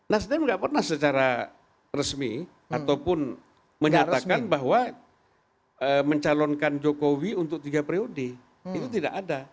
nasdem nggak pernah secara resmi ataupun menyatakan bahwa mencalonkan jokowi untuk tiga periode itu tidak ada